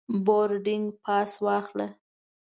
بوردینګ پاس واخله.